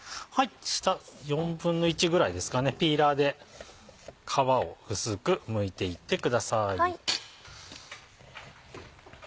下１／４ぐらいですかねピーラーで皮を薄くむいていってください。